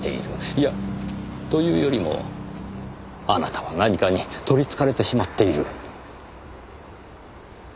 いやというよりもあなたは何かに取りつかれてしまっている。